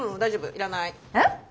いらない？えっ！？